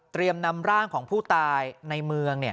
เตรียมนำร่างของผู้ตายในเมือง